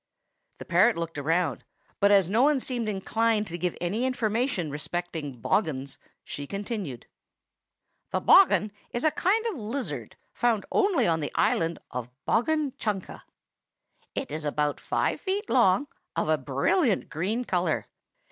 The parrot looked around, but as no one seemed inclined to give any information respecting bogghuns, she continued, "The bogghun is a kind of lizard, found only on the island of Bogghun Chunka. It is about five feet long, of a brilliant green color.